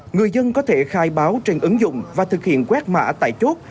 người dân có thể khai báo trên ứng dụng và thực hiện quét mã tại chốt